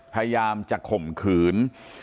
พยายามจะข่มขืน